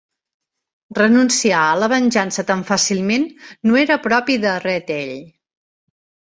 Renunciar a la venjança tan fàcilment no era propi de Red-Eye.